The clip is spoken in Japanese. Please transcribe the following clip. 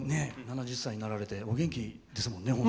７０歳になられてお元気ですもんね。